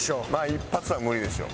一発は無理でしょ。